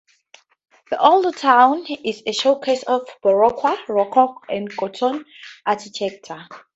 The old town is a showcase of Baroque, Rococo and Gothic architecture.